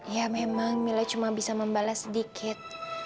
ya memang mila cuma bisa membalas sedikit